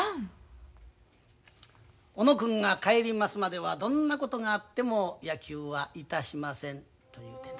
「小野君が帰りますまではどんなことがあっても野球はいたしません」というてな。